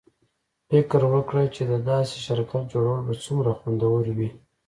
فکر وکړه چې د داسې شرکت جوړول به څومره خوندور وي